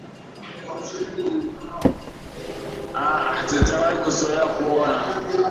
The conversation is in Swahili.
aa hatujawahi kuzoea kuona